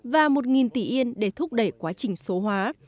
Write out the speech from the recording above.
và một tỷ yên để thúc đẩy quá trình số hóa